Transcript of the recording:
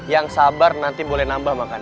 yang sabar nanti boleh nambah makan